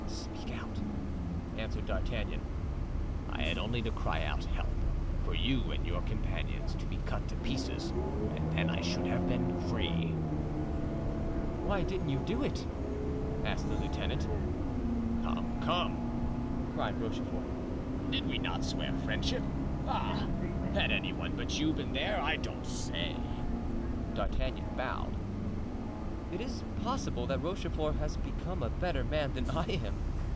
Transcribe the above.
"Speak out," answered D'Artagnan. "I had only to cry out 'Help!' for you and for your companions to be cut to pieces, and then I should have been free." "Why didn't you do it?" asked the lieutenant. "Come, come!" cried Rochefort. "Did we not swear friendship? Ah! had any one but you been there, I don't say——" D'Artagnan bowed. "Is it possible that Rochefort has become a better man than I am?"